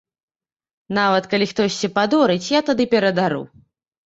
Нават калі хтосьці падорыць, я тады перадару.